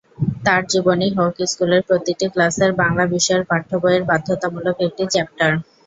তাঁর জীবনী হোক স্কুলের প্রতিটি ক্লাসের বাংলা বিষয়ের পাঠ্যবইয়ের বাধ্যতামূলক একটি চ্যাপটার।